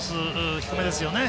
低めですよね。